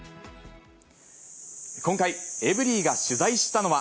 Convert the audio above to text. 今回、エブリィが取材したのは。